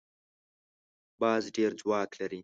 باز ډېر ځواک لري